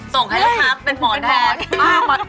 ส่งให้เลยครับเป็นหมอด้าน